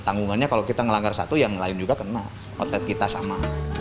tanggungannya kalau kita melanggar satu yang lain juga kena outlet kita sama